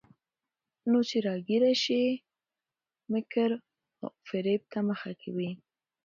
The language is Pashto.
نو چې راګېره شي، مکر وفرېب ته مخه کوي.